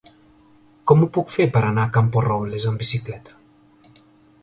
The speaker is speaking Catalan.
Com ho puc fer per anar a Camporrobles amb bicicleta?